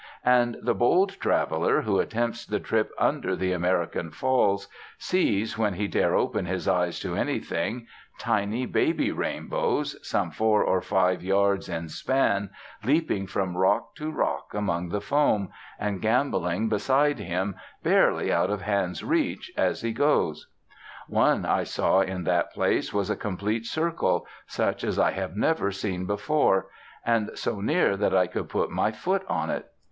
And the bold traveller who attempts the trip under the American Falls sees, when he dare open his eyes to anything, tiny baby rainbows, some four or five yards in span, leaping from rock to rock among the foam, and gambolling beside him, barely out of hand's reach, as he goes. One I saw in that place was a complete circle, such as I have never seen before, and so near that I could put my foot on it.